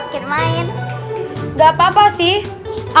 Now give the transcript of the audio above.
gak apa apa sih